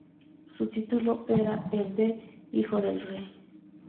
Su título era el de "hijo del rey".